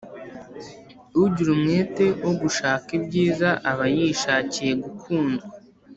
ugira umwete wo gushaka ibyiza aba yishakiye gukundwa,